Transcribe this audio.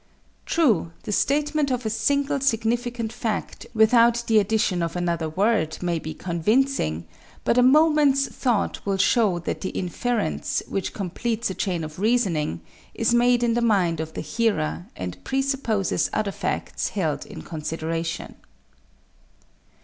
True, the statement of a single significant fact without the addition of one other word may be convincing, but a moment's thought will show that the inference, which completes a chain of reasoning, is made in the mind of the hearer and presupposes other facts held in consideration.